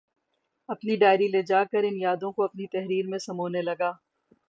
اپنی ڈائری لے جا کر ان یادوں کو اپنی تحریر میں سمونے لگا